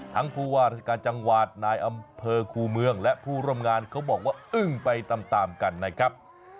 ผู้ว่าราชการจังหวัดนายอำเภอคูเมืองและผู้ร่วมงานเขาบอกว่าอึ้งไปตามกันนะครับ